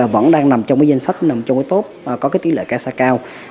vẫn đang nằm trong danh sách tốt có tỷ lệ kasha cao